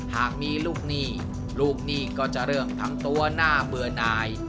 หากมีลูกหนี้ลูกหนี้ก็จะเริ่มทำตัวน่าเบื่อหน่าย